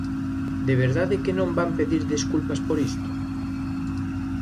¿De verdade que non van pedir desculpas por isto?